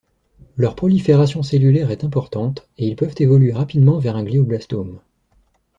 Leur prolifération cellulaire est importante et ils peuvent évoluer rapidement vers un glioblastome.